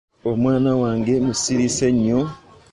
Omwana wange musirise nnyo.